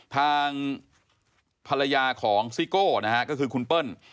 ทางภรรยาของซิโก้นะฮะก็คือคุณเปิ้ล